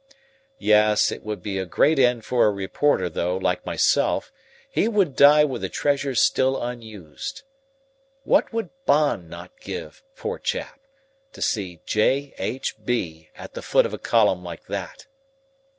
Yes, it would be a great end for a reporter, though, like myself, he would die with the treasures still unused. What would Bond not give, poor chap, to see "J. H. B." at the foot of a column like that?